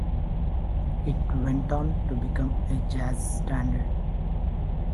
It went on to become a jazz standard.